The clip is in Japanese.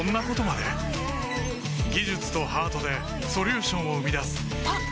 技術とハートでソリューションを生み出すあっ！